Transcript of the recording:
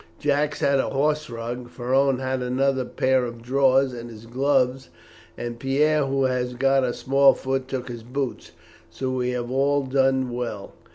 Jacques had the horse rug, Ferron had another pair of drawers and his gloves, and Pierre, who has got a small foot, took his boots. So we have all done well."